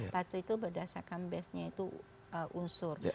patch itu berdasarkan base nya itu unsur